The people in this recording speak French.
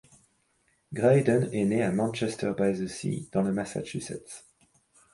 Grayden est né à Manchester-by-the-Sea, dans le Massachusetts.